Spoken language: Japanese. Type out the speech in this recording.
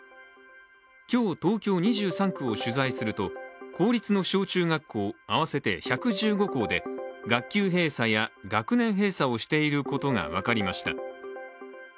今日、東京２３区を取材すると公立の小中学校合わせて１１５校で学級閉鎖や学年閉鎖をしていることが分かりました。